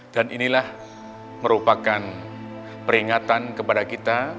dan inilah merupakan peringatan kepada kita